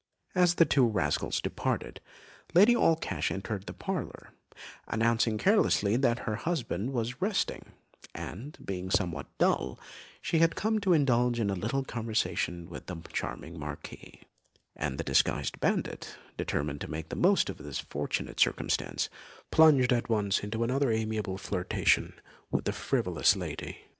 As the two rascals departed, Lady Allcash entered the parlour, announcing carelessly that her husband was resting, and, being somewhat dull, she had come to indulge in a little conversation with the charming Marquis; and the disguised bandit, determined to make the most of this fortunate circumstance, plunged at once into another amiable flirtation with the frivolous lady.